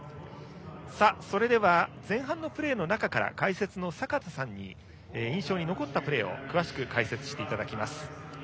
それでは、前半のプレーの中から解説の坂田さんに印象に残ったプレーを詳しく解説していただきます。